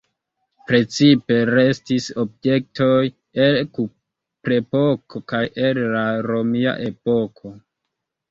Precipe restis objektoj el kuprepoko kaj el la romia epoko.